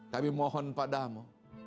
kami mohon padamu